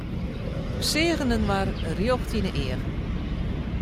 Wy seagen inoar rjocht yn 'e eagen.